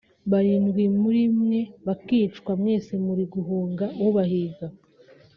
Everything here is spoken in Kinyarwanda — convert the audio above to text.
barindwi muri mwe bakicwa mwese muri guhunga ubahiga